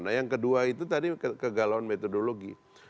nah yang kedua itu tadi kegalauan metodologi